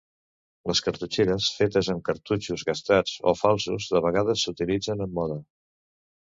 Les cartutxeres fetes amb cartutxos gastats o falsos de vegades s'utilitzen en moda.